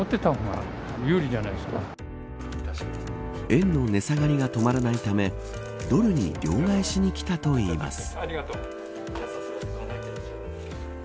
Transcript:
円の値下がりが止まらないためドルに両替しに来たといいます。